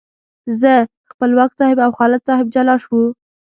زه، خپلواک صاحب او خالد صاحب جلا شوو.